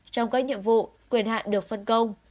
trong các nhiệm vụ quyền hạ được phân công